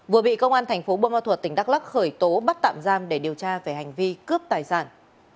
vừa bị công an tp buôn ma thuật tỉnh đắk lắc khởi tố bắt tạm giam để điều tra về hành vi cướp tài sản